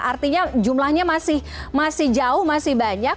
artinya jumlahnya masih jauh masih banyak